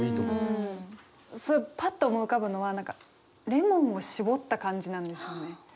すぐパッと思い浮かぶのは何かレモンをしぼった感じなんですよね。